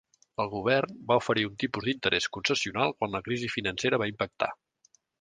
El govern va oferir un tipus d'interès concessional quan la crisi financera va impactar.